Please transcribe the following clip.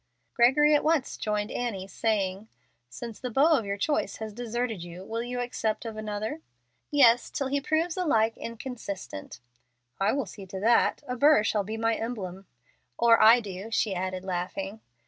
Gregory at once joined Annie, saying, "Since the beau of your choice has deserted you, will you accept of another?" "Yes, till he proves alike inconstant." "I will see to that. A burr shall be my emblem." "Or I do," she added, laughing.